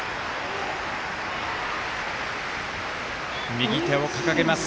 右手を掲げます。